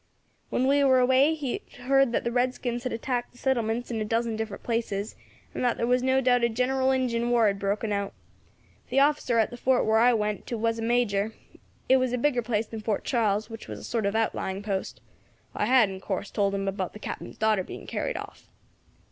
When we were away we had heard that the redskins had attacked the settlements in a dozen different places, and that there was no doubt a general Injin war had broken out. The officer at the fort where I went to was a major; it was a bigger place than Fort Charles, which was a sort of outlying post. I had, in course, told him about the Captain's daughter being carried off.